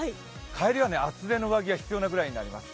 帰りは厚手の上着が必要なくらいになります。